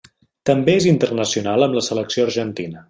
També és internacional amb la selecció argentina.